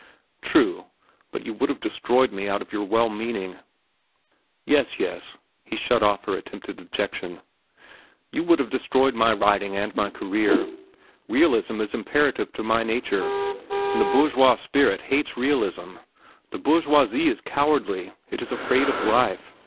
"True; but you would have destroyed me out of your well meaning." "Yes, yes," he shut off her attempted objection. "You would have destroyed my writing and my career. Realism is imperative to my nature, and the bourgeois spirit hates realism. The bourgeoisie is cowardly. It is afraid of life.